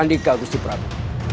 sandika gusti prabu